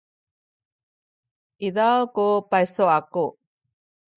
izaw ku paysu aku.